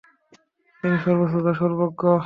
তিনি সর্বশ্রোতা, সর্বজ্ঞ।